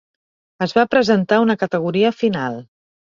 Es va presentar una categoria final.